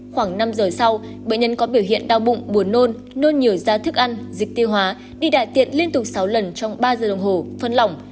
khoảng năm giờ sau bệnh nhân có biểu hiện đau bụng buồn nôn nôn nhiều da thức ăn dịch tiêu hóa đi đại tiện liên tục sáu lần trong ba giờ đồng hồ phân lỏng